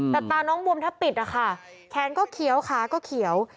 แต่ตาน้องบวมแทบปิดนะคะแขนก็เขียวขาก็เขียว